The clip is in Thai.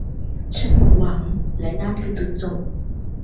ฉันหมดหวังและนั่นคือจุดจบ